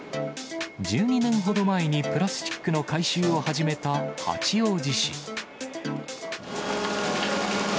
１２年ほど前にプラスチックの回収を始めた八王子市。